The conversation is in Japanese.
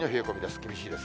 厳しいです。